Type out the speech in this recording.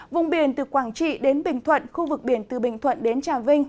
vùng biển từ quảng trị đến bình thuận khu vực biển từ bình thuận đến trà vinh